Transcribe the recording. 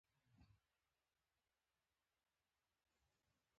زه وارخطا شوم.